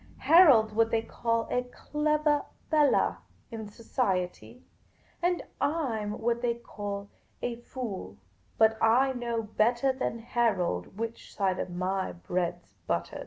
Harold 's what they call a clevah fellah in society, and I 'm what they call a fool ; but I know bettah than Harold which side of my bread 's buttahed."